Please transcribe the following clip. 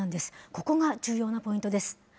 ここが重要なポイントです。